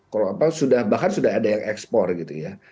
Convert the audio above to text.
kalau apa sudah bahkan sudah ada yang ekspor gitu ya